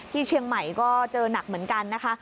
ที่เชียงใหม่ก็เจอหนักเหมือนกันนะคะ